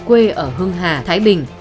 quê ở hưng hà thái bình